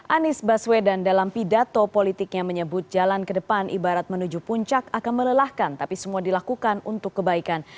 anies baswedan dalam pidato politiknya menyebut jalan ke depan ibarat menuju puncak akan melelahkan tapi semua dilakukan untuk kebaikan